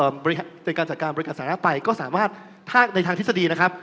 อ่าบริการสรักษณ์บริการสาระไปก็สามารถถ้าในทางศิษย์ดีนะครับ